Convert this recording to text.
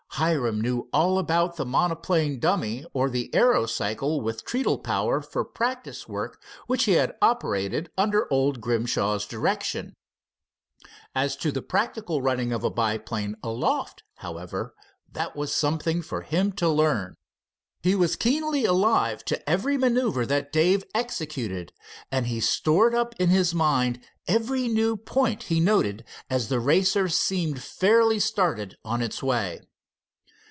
Hiram knew all about the monoplane dummy or the aerocycle with treadle power for practice work which he had operated under old Grimshaw's direction. As to the practical running of a biplane aloft, however, that was something for him to learn. He was keenly alive to every maneuver that Dave executed, and he stored in his mind every new point he noticed as the Racer seemed fairly started on its way.